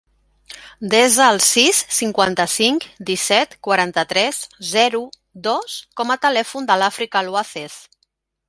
Desa el sis, cinquanta-cinc, disset, quaranta-tres, zero, dos com a telèfon de l'Àfrica Luaces.